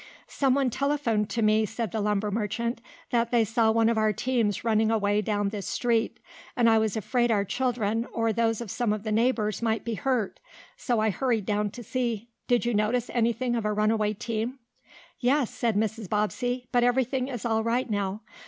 "Someone telephoned to me," said the lumber merchant, "that they saw one of our teams running away down this street, and I was afraid our children, or those of some of the neighbors, might be hurt. So I hurried down to see. Did you notice anything of a runaway team?" "Yes," said Mrs. Bobbsey. "But everything is all right now.